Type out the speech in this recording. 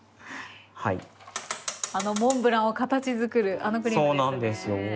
あのモンブランを形づくるあのクリームですね。